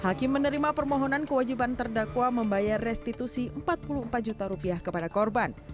hakim menerima permohonan kewajiban terdakwa membayar restitusi empat puluh empat juta rupiah kepada korban